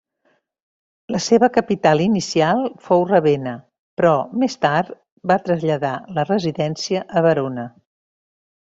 La seva capital inicial fou Ravenna però més tard va traslladar la residència a Verona.